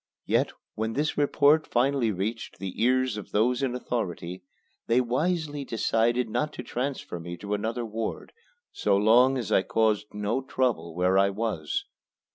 Yet when this report finally reached the ears of those in authority, they wisely decided not to transfer me to another ward so long as I caused no trouble where I was.